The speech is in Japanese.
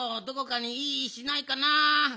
どこかにいい石ないかな。